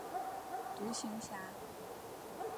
独行侠。